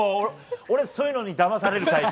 俺、そういうのにだまされるタイプ。